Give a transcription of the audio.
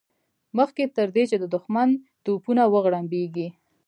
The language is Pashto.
مخکې تر دې چې د دښمن توپونه وغړمبېږي.